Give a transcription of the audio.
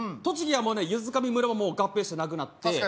栃木はもうね湯津上村はもう合併してなくなって。